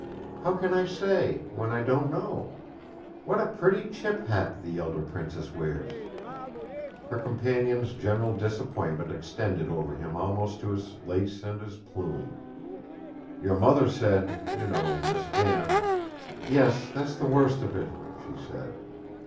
'How can I say, when I don't know? What a pretty chip hat the elder princess wears?' Her companion's general disappointment extended over him almost to his lace and his plume. 'Your mother said, you know, Miss Anne ' 'Yes, that's the worst of it,' she said.